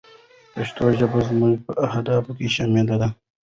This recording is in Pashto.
پښتو ژبه زموږ په اهدافو کې شامله ده.